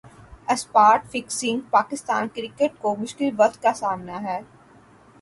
spot fixing Pakistan cricket کو مشکل وقت کا سامنا ہے